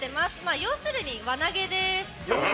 要するに輪投げです。